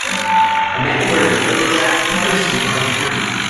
A man wearing a leather jacket poses in front of the camera.